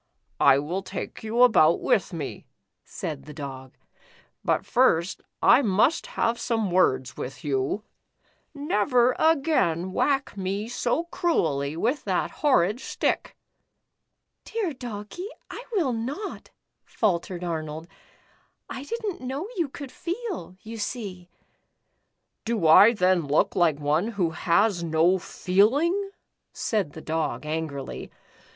" I will take you about with me," said the Dog, " but first I must have some words with you. The Iron Dog. 165 Never again whack me so cruelly with that horrid stick." "Dear Doggie, I will not," faltered Arnold, " I did n't know you could feel, you see." " Do I then look like one who has no feel ing ?" said the Dog, angrily.